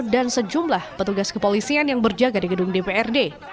dan sejumlah petugas kepolisian yang berjaga di gedung dprd